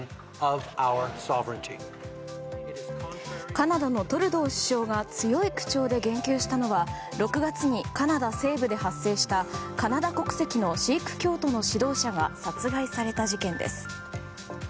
カナダのトルドー首相が強い口調で言及したのは６月にカナダ西部で発生したカナダ国籍のシーク教徒の指導者が殺害された事件です。